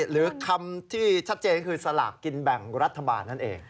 หรือคำที่ชัดเจนคือสลากกินแบ่งรัฐบาลนั่นเอง